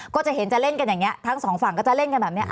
ก็จะเห็นจะเล่นกันอย่างนี้ทั้งสองฝั่งก็จะเล่นกันแบบนี้